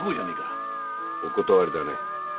お断りだね。